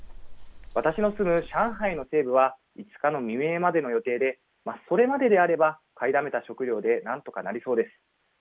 私の住む上海の西部は５日の未明までの予定で、それまでであれば買いだめた食料でなんとかなりそうです。